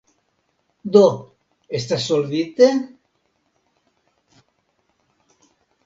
Do estas solvite?